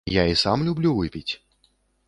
Я і сам люблю выпіць.